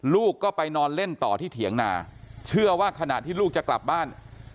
ลูกก็ไปนอนเล่นต่อที่เถียงนาเชื่อว่าขณะที่ลูกจะกลับบ้าน